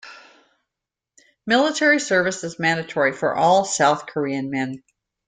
Military service is mandatory for all South Korean men.